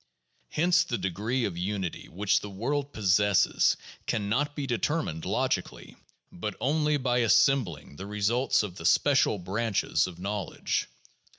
Hence the degree of unity which the world possesses can not be determined logically, but only by assem bling the results of the special branches of knowledge.